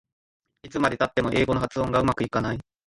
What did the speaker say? いつまでたっても英語の発音がうまくいかない